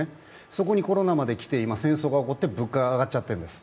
そこにコロナまで来て、今、戦争が起こって物価が上がっちゃっているんです。